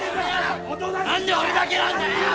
何で俺だけなんだよ！